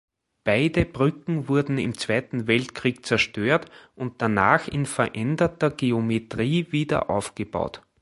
Beide Brücken wurden im Zweiten Weltkrieg zerstört und danach in veränderter Geometrie wieder aufgebaut.